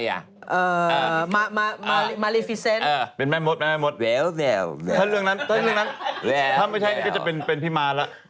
ถ้าไม่ใช่ก็จะเป็นพี่มาร่ะ